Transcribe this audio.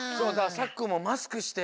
さくくんもマスクして。